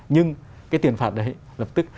nhưng cái tiền phạt đấy lập tức